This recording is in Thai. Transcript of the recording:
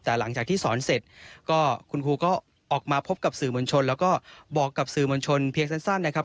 แต่หลังจากที่สอนเสร็จก็คุณครูก็ออกมาพบกับสื่อมวลชนแล้วก็บอกกับสื่อมวลชนเพียงสั้นนะครับ